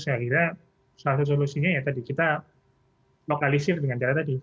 saya kira salah satu solusinya ya tadi kita lokalisir dengan cara tadi